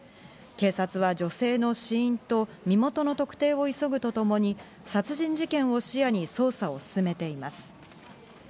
警察は女性の死因と身元の特定を急ぐとともに、殺人事件を視野に捜査を進めています。